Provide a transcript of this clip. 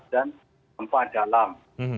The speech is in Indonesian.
dan gempa dalam